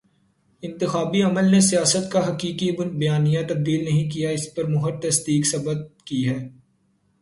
انتخابی عمل نے سیاست کا حقیقی بیانیہ تبدیل نہیں کیا، اس پر مہر تصدیق ثبت کی ہے۔